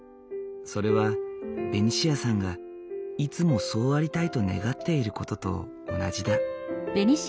それはベニシアさんがいつもそうありたいと願っている事と同じだ。